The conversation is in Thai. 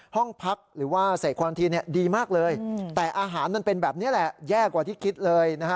ห้องพักหรือว่าเศษควันทีนดีมากเลยแต่อาหารมันเป็นแบบนี้แหละแย่กว่าที่คิดเลยนะฮะ